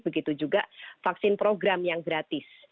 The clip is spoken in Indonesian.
begitu juga vaksin program yang gratis